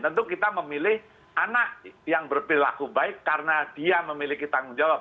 tentu kita memilih anak yang berperilaku baik karena dia memiliki tanggung jawab